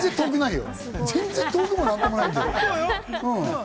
全然遠くないよ。